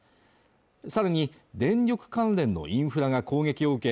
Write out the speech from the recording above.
さらに電力関連のインフラが攻撃を受け